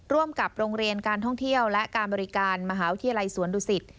ร่วมกับโรงเรียนการท่องเที่ยวและการบริการมหาวิทยาลัยสวนดุสิต